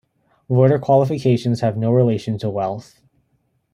Voter qualifications have no relation to wealth.